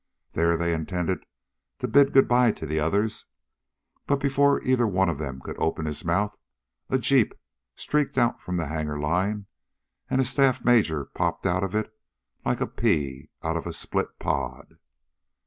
There they intended to bid goodbye to the others, but before either one of them could open his mouth a jeep streaked out from the hangar line and a staff major popped out of it like a pea out of a split pod.